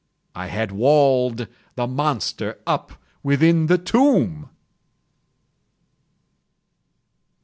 I had walled the monster up within the tomb!